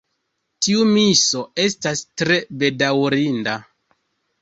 Tiu miso estas tre bedaŭrinda.